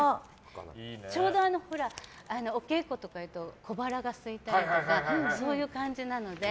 ちょうどお稽古とかいうと小腹がすいたりとかそういう感じなので。